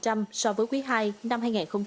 tăng sáu hai so với quý hai năm hai nghìn hai mươi ba